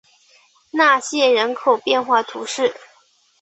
纳谢人口变化图示